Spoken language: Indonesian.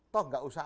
toh enggak usah